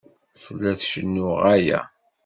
Tella tcennu ɣaya.